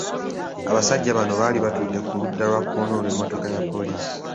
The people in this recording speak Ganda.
Abasajja bano baali batudde ku ludda lwa kkono olw’emmotoka ya poliisi .